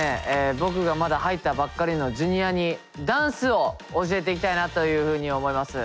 僕がまだ入ったばっかりのＪｒ．にダンスを教えていきたいなというふうに思います。